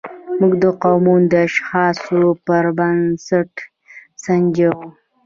موږ قومونه د اشخاصو پر بنسټ سنجوو.